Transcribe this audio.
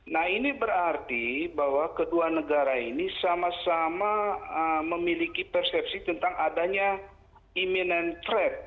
nah ini berarti bahwa kedua negara ini sama sama memiliki persepsi tentang adanya iminant trade